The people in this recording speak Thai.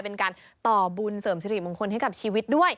เป็นการต่อบุญเสริมสิริมงคลให้กับชีวิตด้วย